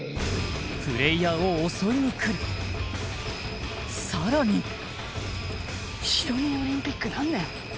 プレイヤーを襲いに来るさらにシドニーオリンピック何年？